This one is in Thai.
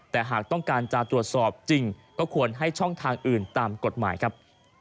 แต่หากต้องการจะตรวจสอบจริงก็ควรให้ช่องทางอื่นตามกฎหมายครับ